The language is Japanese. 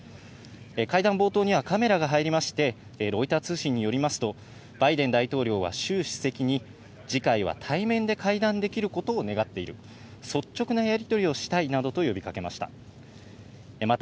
会談冒頭にはカメラが入りまして、ロイター通信によりますと、バイデン大統領はシュウ主席に次回は対面で会談できることを願っている、率直なやりとりをしたいなどと呼びかけました。